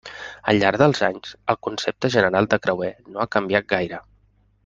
Al llarg dels anys, el concepte general de creuer no ha canviat gaire.